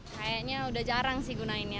kayaknya udah jarang sih gunainnya